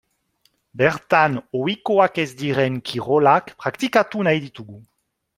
Bertan ohikoak ez diren kirolak praktikatu nahi ditugu.